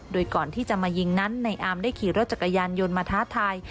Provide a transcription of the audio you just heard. โดยก่อนที่จะมายิงนั้นในอาร์มได้ขี่รถจักรยานยนต์มาท้าทาย